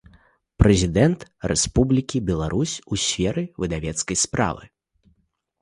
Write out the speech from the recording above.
Прэзiдэнт Рэспублiкi Беларусь у сферы выдавецкай справы.